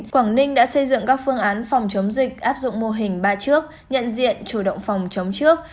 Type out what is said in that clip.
quảng ninh đã xây dựng các phương án phòng chống dịch áp dụng mô hình ba trước nhận diện chủ động phòng chống trước